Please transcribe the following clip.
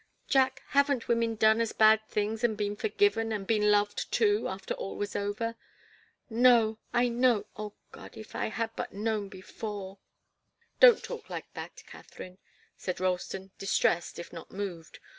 Jack haven't women done as bad things and been forgiven and been loved, too, after all was over? No I know oh, God! If I had but known before!" "Don't talk like that, Katharine!" said Ralston, distressed, if not moved.